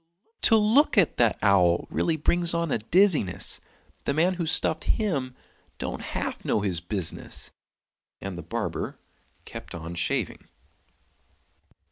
To look at that owl really brings on a dizziness; The man who stuffed him don't half know his business!" And the barber kept on shaving.